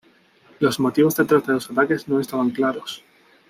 Los motivos detrás de los ataques no estaban claros.